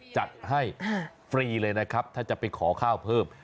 จัดให้ฟรีเลยนะครับถ้าจะไปขอข้าวเพิ่ม